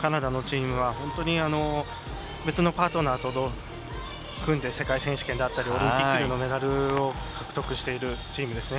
カナダのチームは本当に別のパートナーと組んで世界選手権、オリンピックでのメダルを獲得しているチームです。